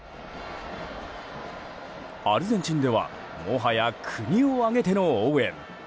アルゼンチンではもはや、国を挙げての応援。